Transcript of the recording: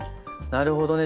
なるほどね。